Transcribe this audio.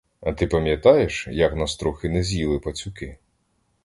А ти пам'ятаєш, як нас трохи не з'їли пацюки?